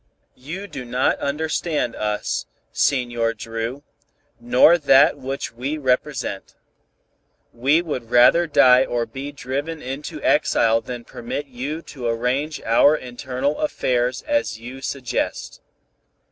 "You do not understand us, Senor Dru, nor that which we represent. We would rather die or be driven into exile than permit you to arrange our internal affairs as you suggest.